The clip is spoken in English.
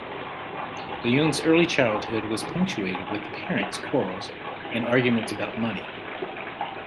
Leung's early childhood was punctuated with parents' quarrels and arguments about money.